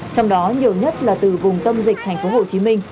trong đó nhiều nhất là từ vùng tâm dịch tp hcm